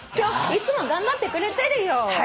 いつも頑張ってくれてるよ。